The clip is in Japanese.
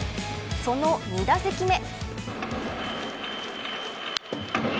その２打席目。